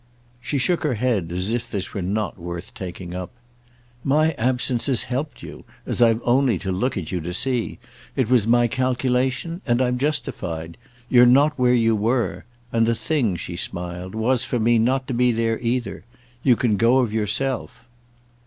She shook her head as if this were not worth taking up. "My absence has helped you—as I've only to look at you to see. It was my calculation, and I'm justified. You're not where you were. And the thing," she smiled, "was for me not to be there either. You can go of yourself."